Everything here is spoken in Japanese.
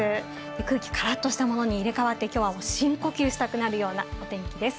空気カラっとしたものに入れ替わって、今日は深呼吸したくなるようなお天気です。